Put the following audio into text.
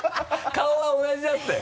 顔は同じだったよ。